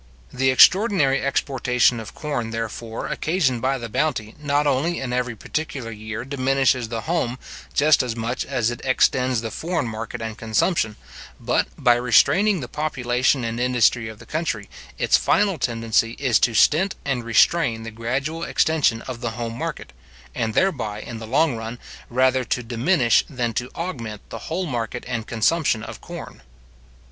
The extraordinary exportation of corn, therefore occasioned by the bounty, not only in every particular year diminishes the home, just as much as it extends the foreign market and consumption, but, by restraining the population and industry of the country, its final tendency is to stint and restrain the gradual extension of the home market; and thereby, in the long run, rather to diminish than to augment the whole market and consumption of corn.